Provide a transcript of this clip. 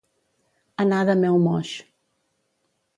Anar de meu-moix.